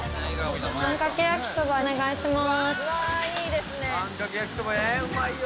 あんかけ焼きそば、お願いします。